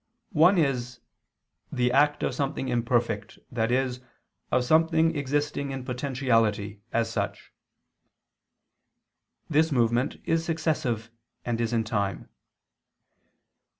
One is "the act of something imperfect, i.e. of something existing in potentiality, as such": this movement is successive and is in time.